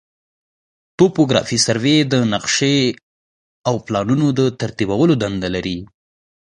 توپوګرافي سروې د نقشو او پلانونو د ترتیبولو دنده لري